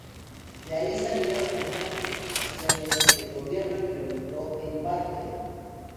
De ahí salieron algunas recomendaciones que el gobierno implementó en parte.